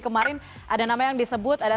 kemarin ada nama yang disebut ada